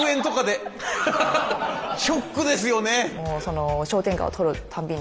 ショックですよね！